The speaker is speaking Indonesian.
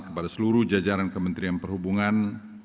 kepada seluruh jajaran kementerian perhubungan